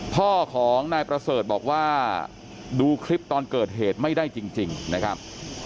พ่อของนายประเสริฐบอกว่าดูคลิปตอนเกิดเหตุไม่ได้จริงนะครับ